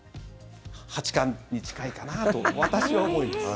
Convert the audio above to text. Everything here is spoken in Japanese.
八冠に近いかなと私は思います。